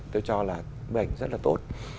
tôi cho là bức ảnh rất là tốt